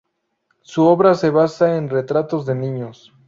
Su obra se basa en retratos de niños.